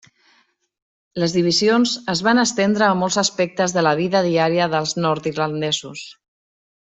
Les divisions es van estendre a molts aspectes de la vida diària dels nord-irlandesos.